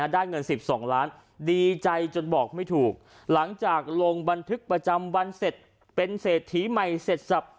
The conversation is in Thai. ได้เงิน๑๒ล้านดีใจจนบอกไม่ถูกหลังจากลงบันทึกประจำวันเสร็จเป็นเศรษฐีใหม่เสร็จสับ